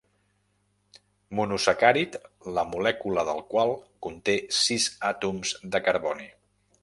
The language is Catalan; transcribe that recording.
Monosacàrid la molècula del qual conté sis àtoms de carboni.